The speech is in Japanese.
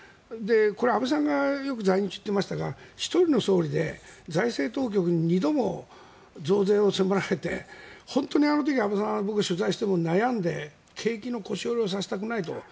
安倍さんがよく言っていましたが１人の総理で、財政当局に２度も迫られて本当に安倍さんは僕が取材した時も悩んで景気の腰折れをさせたくないと。